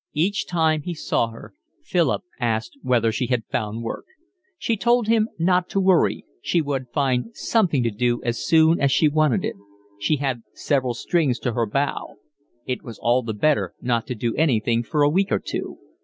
Each time he saw her, Philip asked whether she had found work. She told him not to worry, she would find something to do as soon as she wanted it; she had several strings to her bow; it was all the better not to do anything for a week or two.